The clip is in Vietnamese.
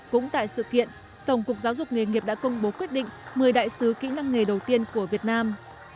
cũng tại sự kiện tổng cục giáo dục nghề nghiệp đã công bố quyết định một mươi đại sứ kỹ năng nghề đầu tiên của việt nam